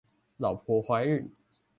老婆懷孕